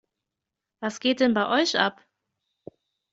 Was geht denn bei euch ab?